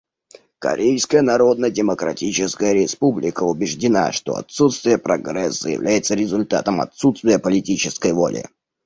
Корейская Народно-Демократическая Республика убеждена, что отсутствие прогресса является результатом отсутствия политической воли.